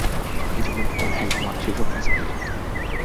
এই যেমন phone hack হওয়া, সেই সব ফ্যাসাদের একটি।